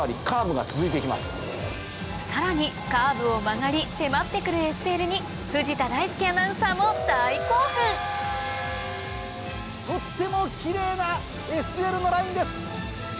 さらにカーブを曲がり迫って来るＳＬに藤田大介アナウンサーも大興奮とってもキレイなＳＬのラインです！